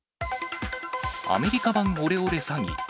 アメリカ版オレオレ詐欺。